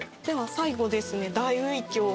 では最後ですね大茴香。